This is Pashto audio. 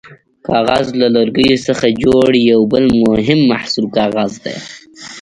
کاغذ: له لرګیو څخه جوړ یو بل مهم محصول کاغذ دی.